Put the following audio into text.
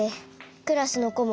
クラスのこも